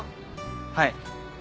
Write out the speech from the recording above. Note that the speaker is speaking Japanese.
はい。